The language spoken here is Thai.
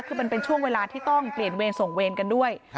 คือมันเป็นช่วงเวลาที่ต้องเปลี่ยนเวรส่งเวรกันด้วย